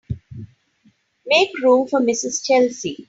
Make room for Mrs. Chelsea.